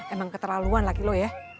emang keterlaluan laki lu ya